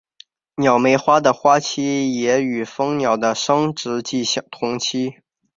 鸟媒花的花期也与蜂鸟的生殖季同期。